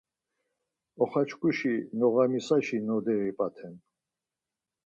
Oxaçkuşi noğamisaşi noderi p̌aten.